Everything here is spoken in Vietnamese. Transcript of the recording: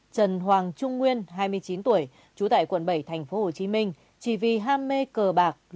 trần hoàng trung nguyên hai mươi chín tuổi trú tại quận bảy tp hcm chỉ vì ham mê cờ bạc